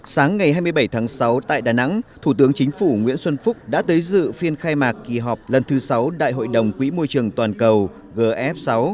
sáng ngày hai mươi bảy tháng sáu tại đà nẵng thủ tướng chính phủ nguyễn xuân phúc đã tới dự phiên khai mạc kỳ họp lần thứ sáu đại hội đồng quỹ môi trường toàn cầu gf sáu